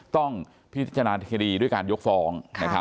ต้องพิจารณาคดีด้วยการยกฟ้อง